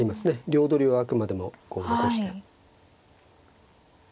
両取りはあくまでも残して。